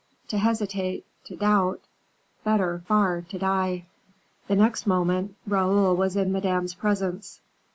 To hesitate, to doubt better, far, to die." The next moment Raoul was in Madame's presence.